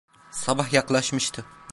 Sabah yaklaşmıştı.